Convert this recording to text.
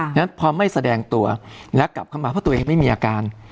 เพราะฉะนั้นพอไม่แสดงตัวและกลับเข้ามาเพราะตัวเองไม่มีอาการ